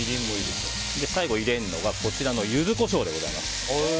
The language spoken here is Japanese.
最後入れるのが、こちらのユズコショウでございます。